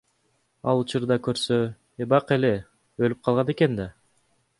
Ал учурда көрсө эбак эле өлүп калган экен да.